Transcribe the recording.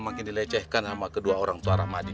makin dilecehkan sama kedua orang tua rahmadi